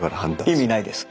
意味ないです。